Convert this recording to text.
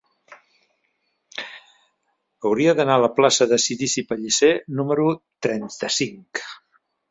Hauria d'anar a la plaça de Cirici Pellicer número trenta-cinc.